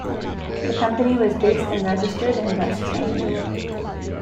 The company was based and registered in West Germany.